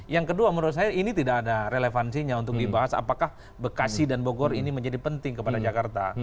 yang kedua menurut saya ini tidak ada relevansinya untuk dibahas apakah bekasi dan bogor ini menjadi penting kepada jakarta